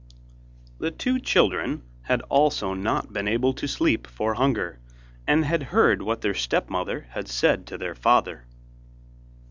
The two children had also not been able to sleep for hunger, and had heard what their stepmother had said to their father.